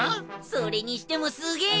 それにしてもすげえな！